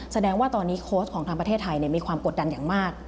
แสดงว่าตอนนี้โค้ชของทางประเทศไทยมีความกดดันอย่างมาก